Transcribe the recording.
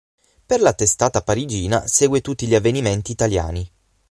Per la testata parigina segue tutti gli avvenimenti italiani.